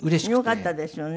よかったですよね。